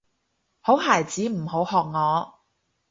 好孩子唔好學我